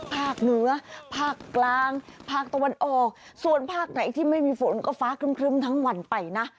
ภาคเหนือภาคกลางภาคตะวันออกส่วนภาคไหนที่ไม่มีฝนก็ฟ้าครึ่มทั้งวันไปนะ